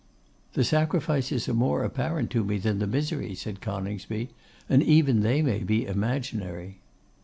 'The sacrifices are more apparent to me than the misery,' said Coningsby, 'and even they may be imaginary.